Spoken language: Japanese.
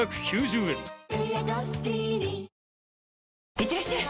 いってらっしゃい！